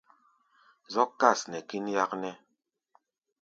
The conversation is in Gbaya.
Zɔ́k kâs nɛ kín yáknɛ́.